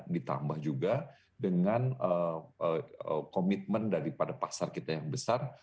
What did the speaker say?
ditambah juga dengan komitmen daripada pasar kita yang besar